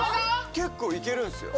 結構いけるんですよ。